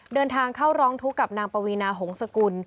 เดินทางเข้าร้องทุกข์กับนางปวีนาหงษกุล